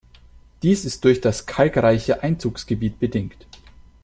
Dies ist durch das kalkreiche Einzugsgebiet bedingt.